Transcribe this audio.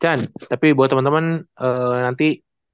bukan tapi buat teman teman nanti